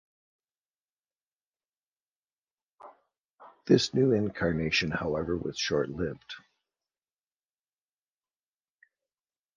This new incarnation, however, was short-lived.